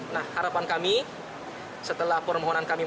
nah harapan kami setelah permohonan kami